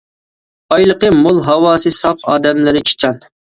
بايلىقى مول، ھاۋاسى ساپ، ئادەملىرى ئىشچان.